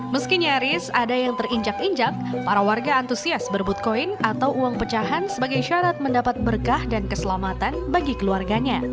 meski nyaris ada yang terinjak injak para warga antusias berebut koin atau uang pecahan sebagai syarat mendapat berkah dan keselamatan bagi keluarganya